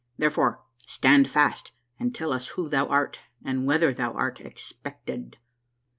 Therefore, stand fast and tell us who thou art and whether thou art expected."